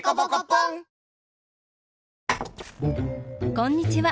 こんにちは。